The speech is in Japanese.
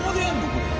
これ。